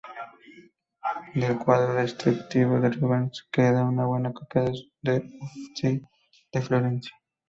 Del cuadro destruido de Rubens queda una buena copia en los Uffizi de Florencia.